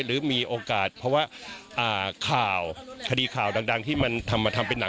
หรือมีโอกาสเพราะว่าข่าวคดีข่าวดังที่มันทำมาทำเป็นหนัง